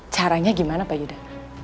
caranya gimana pak yuda